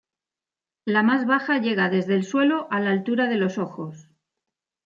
La más baja llega desde el suelo a la altura de los ojos.